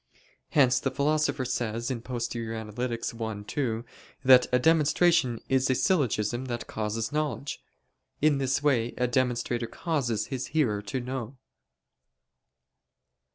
Hence the Philosopher says (Poster. i, 2) that "a demonstration is a syllogism that causes knowledge." In this way a demonstrator causes his hearer to know.